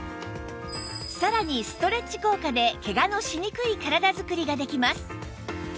さらにストレッチ効果でケガのしにくい体作りができます